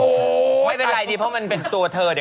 โอ้โหไม่เป็นไรดีเพราะมันเป็นตัวเธอเนี่ย